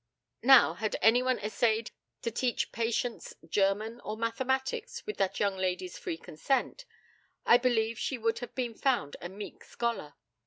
Now, had any one essayed to teach Patience German or mathematics, with that young lady's free consent, I believe that she would have been found a meek scholar.